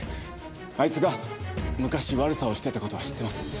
あいつが昔悪さをしてた事は知ってます。